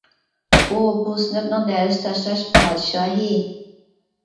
ئۇ بۇ سىنىپنىڭ دەرس تاشلاش پادىشاھى.